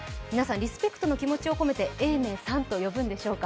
リスペクトの気持ちをこめて永明さんと呼ぶんでしょうか。